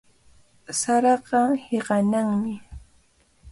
Saraqa hiqanaqmi.